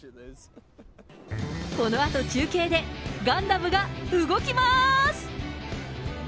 このあと中継で、ガンダムが動きます。